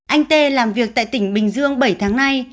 anh tê làm việc tại tỉnh bình dương bảy tháng nay